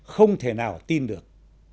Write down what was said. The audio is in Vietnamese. không thể nào tin được